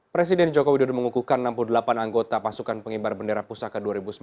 presiden joko widodo mengukuhkan enam puluh delapan anggota pasukan pengibar bendera pusaka dua ribu sembilan belas